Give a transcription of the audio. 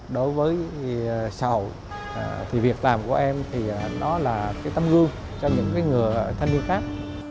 đối với xã hội thì việc làm của em thì nó là cái tâm gương cho những người thanh niên khác